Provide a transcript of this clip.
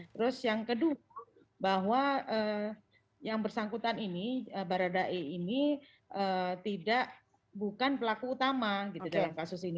terus yang kedua bahwa yang bersangkutan ini baradae ini bukan pelaku utama dalam kasus ini